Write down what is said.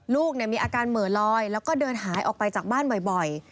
ลูกมีอาการเหมือลอยแล้วก็เดินหายออกไปจากบ้านบ่อย